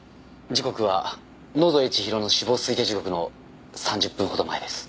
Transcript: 時刻は野添千尋の死亡推定時刻の３０分ほど前です。